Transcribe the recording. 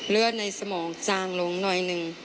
เลือดในสมองจางลงหน่อยหนึ่ง